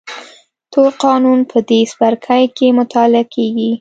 تور قانون په دې څپرکي کې مطالعه کېږي.